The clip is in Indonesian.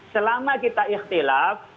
selama kita ikhtilaf